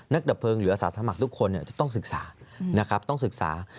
นักดะเพิงหรืออสัตว์ธรรมักทุกคนจะต้องศึกษา